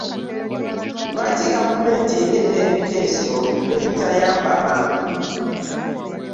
Lwaki gavumenti ereeta ebiteeso ebitayamba bantu?